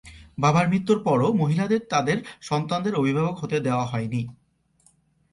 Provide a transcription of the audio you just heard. বাবার মৃত্যুর পরও মহিলাদের তাদের সন্তানদের অভিভাবক হতে দেওয়া হয়নি।